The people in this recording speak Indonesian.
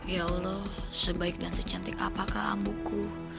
ya allah sebaik dan secantik apakah amuku